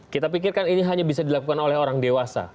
kita pikirkan ini hanya bisa dilakukan oleh orang dewasa